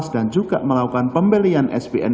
dan juga melakukan pembelian spn